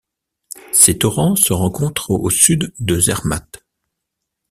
Ces torrents se rencontrent au sud de Zermatt.